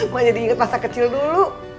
maknya diinget masa kecil dulu